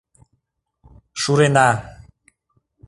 Шурена